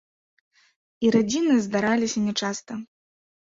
І радзіны здараліся нячаста.